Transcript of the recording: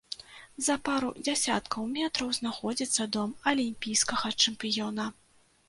За пару дзясяткаў метраў знаходзіцца дом алімпійскага чэмпіёна.